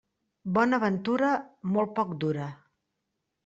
Bona ventura molt poc dura.